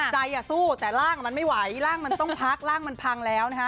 ใจสู้แต่ร่างมันไม่ไหวร่างมันต้องพักร่างมันพังแล้วนะคะ